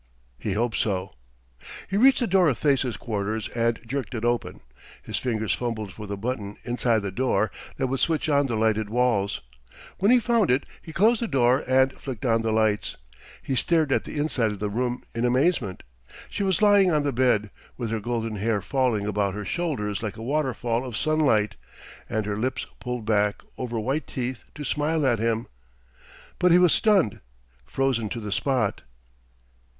He hoped so. He reached the door of Thesa's quarters and jerked it open. His fingers fumbled for the button, inside the door, that would switch on the lighted walls. When he found it, he closed the door and flicked on the lights. He stared at the inside of the room in amazement. She was lying on the bed, with her golden hair falling about her shoulders like a waterfall of sunlight, and her lips pulled back over white teeth to smile at him. But he was stunned, frozen to the spot.